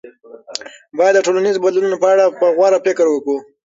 باید د ټولنیزو بدلونونو په اړه په غور فکر وکړو.